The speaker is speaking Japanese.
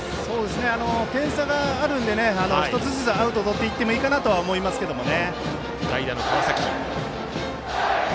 点差があるので１つずつアウトをとっていってもいいかなとは思いますけどね。